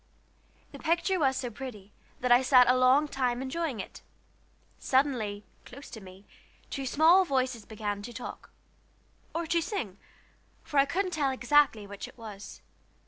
The picture was so pretty that I sat a long time enjoying it. Suddenly, close to me, two small voices began to talk or to sing, for I couldn't tell exactly which it was.